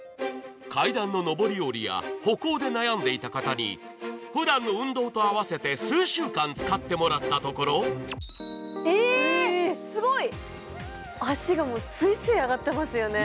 階段の昇り降りや歩行で悩んでいた方にふだんの運動と合わせて数週間使ってもらったところ足が上がってますね。